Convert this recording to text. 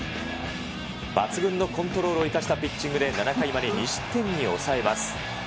抜群のコントロールを生かしたピッチングで７回まで２失点に抑えます。